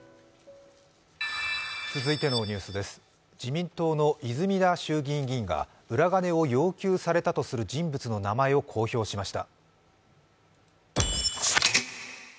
自民党の泉田衆議院議員が裏金を要求されたとする人物の名前を公表しました。